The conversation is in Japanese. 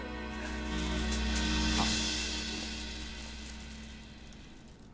あっ。